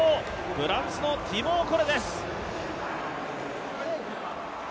フランスのティボー・コレです。